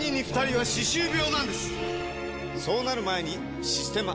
そうなる前に「システマ」！